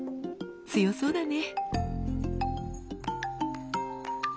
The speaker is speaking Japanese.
強そうだね。